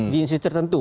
di institusi tertentu